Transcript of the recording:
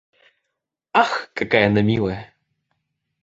Ах, какая она милая!